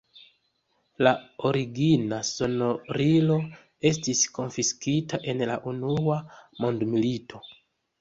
La origina sonorilo estis konfiskita en la unua mondmilito.